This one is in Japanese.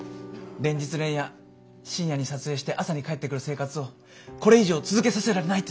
連日連夜深夜に撮影して朝に帰ってくる生活をこれ以上続けさせられないってさ。